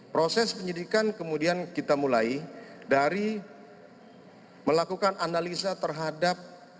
proses penyidikan kemudian kita mulai dari melakukan analisa terhadap